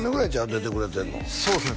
出てくれてんのそうですね